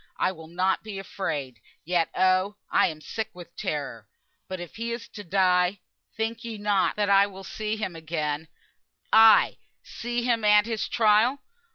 I will not be afeared. Yet, oh! I am so sick with terror. But if he is to die, think ye not that I will see him again; ay! see him at his trial?